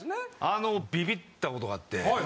あのビビったことがあって。